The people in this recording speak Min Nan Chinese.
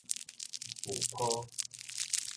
孵泡